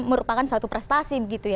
merupakan suatu prestasi